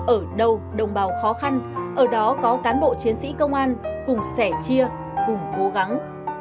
ở đâu đồng bào khó khăn ở đó có cán bộ chiến sĩ công an cùng sẻ chia cùng cố gắng